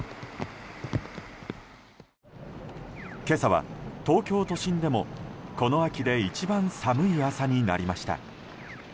今朝は東京都心でも、この秋で一番寒い朝になりました。